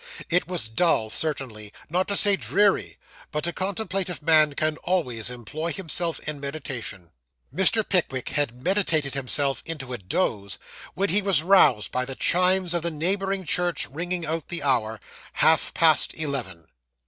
It was dull, certainly; not to say dreary; but a contemplative man can always employ himself in meditation. Mr. Pickwick had meditated himself into a doze, when he was roused by the chimes of the neighbouring church ringing out the hour half past eleven.